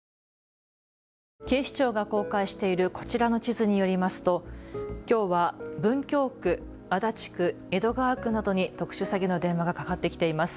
警視庁が公開しているこちらの地図によりますときょうは文京区、足立区、江戸川区などに特殊詐欺の電話がかかってきています。